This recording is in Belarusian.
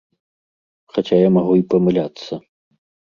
Хаця я магу й памыляцца.